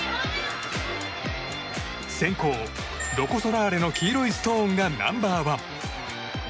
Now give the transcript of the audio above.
先攻、ロコ・ソラーレの黄色ストーンがナンバーワン。